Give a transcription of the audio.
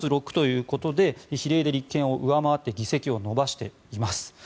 一方、維新こちらプラス６ということで比例で立憲を上回って議席を伸ばしています。